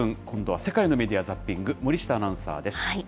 今度は世界のメディア・ザッピング、森下アナウンサーです。